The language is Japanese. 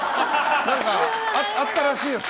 何かあったらしいですね。